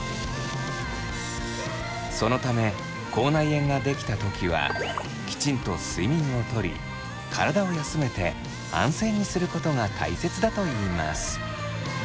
そのため口内炎が出来た時はきちんと睡眠をとり体を休めて安静にすることが大切だといいます。